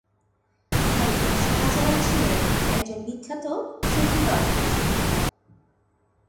হযরত শাহজালাল ছিলেন একজন বিখ্যাত সুফি দরবেশ।